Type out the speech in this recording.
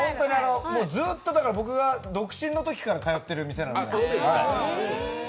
ずっと僕が独身のときから通ってる店なので。